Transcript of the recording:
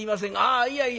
「あいやいや！